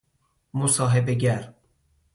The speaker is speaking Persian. مصاحبه گر